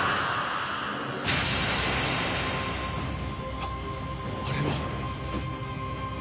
ああれは。